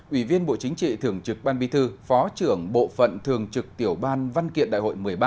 ủy viên bộ chính trị thường trực ban bi thư phó trưởng bộ phận thường trực tiểu ban văn kiện đại hội một mươi ba